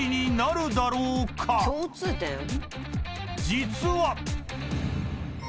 ［実は］